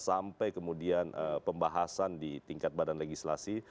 sampai kemudian pembahasan di tingkat badan legislasi